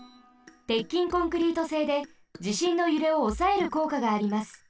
てっきんコンクリートせいでじしんのゆれをおさえるこうかがあります。